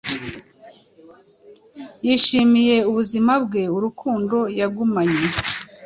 Yishimiye ubuzima bwe urukundo yagumanye